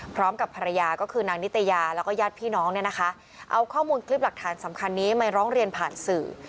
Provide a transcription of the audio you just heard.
พร้อมกับภรรยาก็คือนางนิตยาแล้วก็ญาติพี่น้องเนี่ยนะคะเอาข้อมูลคลิปหลักฐานสำคัญนี้มาร้องเรียนผ่านสื่อ